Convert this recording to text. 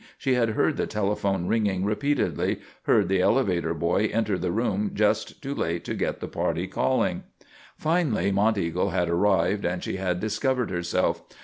She had heard the telephone ringing repeatedly; heard the elevator boy enter the room just too late to get the party calling. Finally Monteagle had arrived and she had discovered herself.